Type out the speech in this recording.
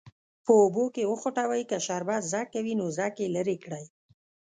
په اوبو کې وخوټوئ که شربت ځګ کوي نو ځګ یې لرې کړئ.